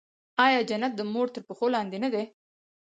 آیا جنت د مور تر پښو لاندې نه دی؟